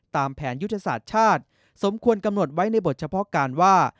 ตามแผนยุทธศาสตร์ชาติสมควรกำหนดไว้ในบทเฉพาะการว่า